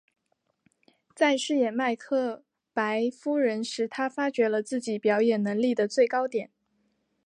在饰演麦克白夫人时她发觉了自己表演能力的最高点。